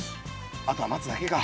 あとは待つだけか。